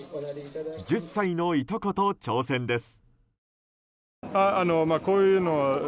１０歳のいとこと挑戦です。